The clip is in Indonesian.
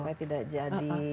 supaya tidak jadi